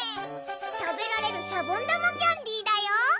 食べられるシャボン玉キャンディだよ！